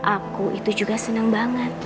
aku itu juga senang banget